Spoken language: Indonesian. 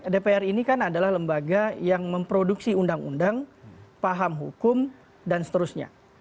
dpr ini kan adalah lembaga yang memproduksi undang undang paham hukum dan seterusnya